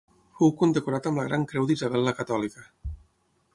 Fou condecorat amb la Gran Creu d'Isabel la Catòlica.